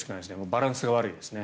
バランスが悪いですね。